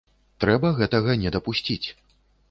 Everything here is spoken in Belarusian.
Трэба гэтага не дапусціць.